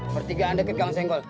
pertiga anda ke kang sengkol